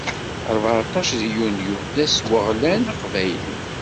Rbeɛṭac deg yunyu, d ass n weɣlan aqbayli.